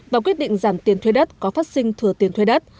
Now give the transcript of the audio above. và quyết định giảm tiền thuê đất có phát sinh thừa tiền thuê đất